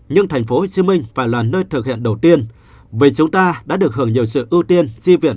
nhưng tp hcm phải là nơi thực hiện đầu tiên vì chúng ta đã được hưởng nhiều sự ưu tiên chi viện